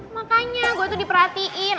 makanya gue tuh diperhatiin